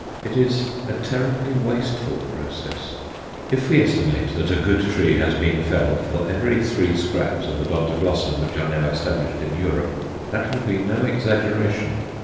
It is a terribly wasteful process. If we estimate that a good tree has been felled for every three scraps of Odontoglossum which are now established in Europe, that will be no exaggeration.